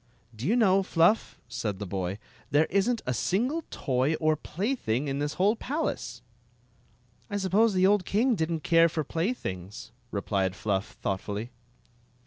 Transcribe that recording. "Do you know, Fluff," said the boy, "there is n't a single toy or plaything in this whole palace?" " I suppose the old king did n't care for play things,' replied Fluff, thoughtfully.